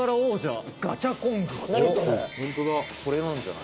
「これなんじゃない？」